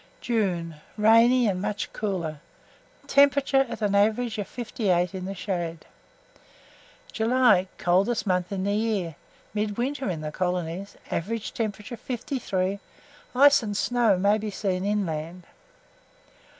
JUNE. Rainy, and much cooler; temperature at an average of 58 in the shade. JULY. Coldest month in the year; midwinter in the colonies; average temperature, 53. Ice and snow may be seen inland.